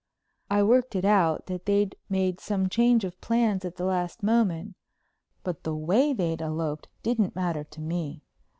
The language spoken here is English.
I worked it out that they'd made some change of plans at the last moment. But the way they'd eloped didn't matter to me.